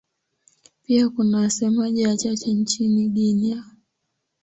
Pia kuna wasemaji wachache nchini Guinea.